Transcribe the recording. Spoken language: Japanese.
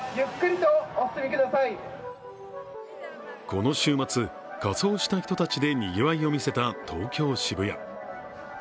この週末、仮装した人たちでにぎわいを見せた東京・渋谷。